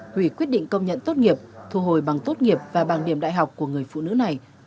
hủy quyết định công nhận tốt nghiệp thu hồi bằng tốt nghiệp và bằng điểm đại học của người phụ nữ này